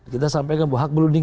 kita sampaikan bahwa hak berunding